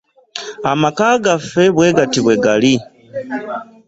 Amaka gaffe bwe gati bwe gali.